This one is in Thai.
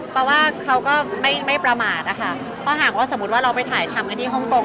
เพราะว่าเขาก็ไม่ประมาทนะคะถ้าหากว่าสมมุติว่าเราไปถ่ายทำกันที่ฮ่องกง